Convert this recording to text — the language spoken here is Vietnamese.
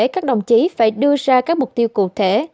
các đồng chí phải đưa ra các mục tiêu cụ thể